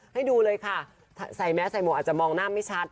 ให้ดูเลยค่ะใส่แมสใส่หมวกอาจจะมองหน้าไม่ชัด